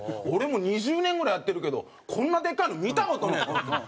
「俺も２０年ぐらいやってるけどこんなでかいの見た事ねえ」。